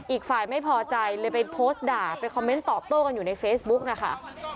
อีกฝ่ายไม่พอใจเลยไปโพสต์ด่าไปคอมเมนต์ตอบโต้กันอยู่ในเฟซบุ๊กนะคะ